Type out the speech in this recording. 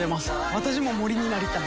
私も森になりたい。